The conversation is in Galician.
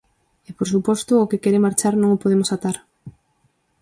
E, por suposto, o que quere marchar non o podemos atar.